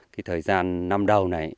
thì cái thời gian năm đầu này